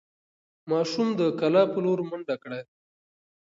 ماشوم د کلا په لور منډه کړه.